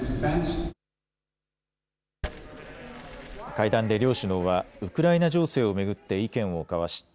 会談で両首脳はウクライナ情勢を巡って意見を交わし